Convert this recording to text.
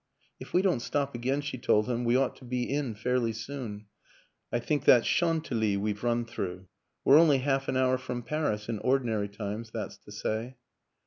" If we don't stop again," she told him, "we ought to be in fairly soon. I think that's Chan tiily we've run through. We're only half an hour from Paris in ordinary times, that's to say."